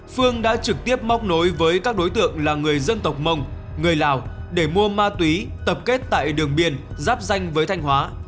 phương đã trực tiếp móc nối với các đối tượng là người dân tộc mông người lào để mua ma túy tập kết tại đường biên giáp danh với thanh hóa